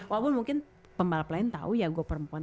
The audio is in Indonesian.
walaupun mungkin pembalap lain tau ya gue perempuan